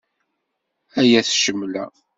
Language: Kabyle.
Ay at ccemla.